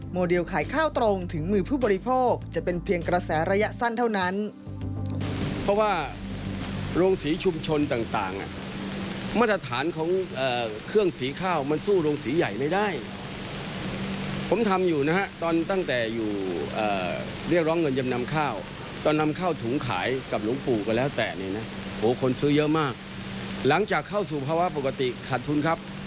ขายข้าวตรงถึงมือผู้บริโภคจะเป็นเพียงกระแสระยะสั้นเท่านั้น